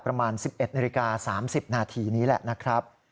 ประมาณ๑๑นาฬิกา๓๐นาทีนี้แหละนะครับ